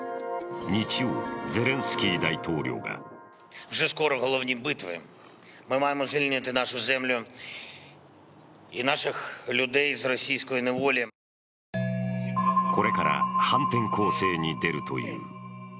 日曜、ゼレンスキー大統領がこれから反転攻勢に出るという。